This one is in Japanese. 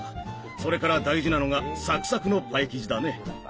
それから大事なのがサクサクのパイ生地だね。